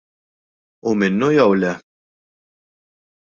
Hu minnu jew le?